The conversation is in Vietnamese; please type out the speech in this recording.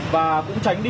và cũng tránh đi